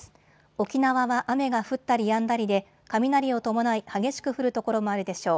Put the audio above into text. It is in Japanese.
沖縄は雨が降ったりやんだりで雷を伴い激しく降る所もあるでしょう。